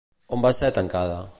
On va ser tancada?